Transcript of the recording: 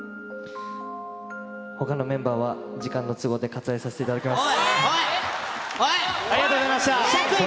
ほかのメンバーは時間の都合で割愛させていただきます。